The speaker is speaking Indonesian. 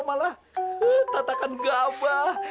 malah tatakan gabah